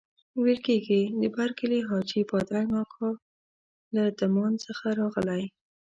ویل کېږي د برکلي حاجي بادرنګ اکا له دمان څخه راغلی.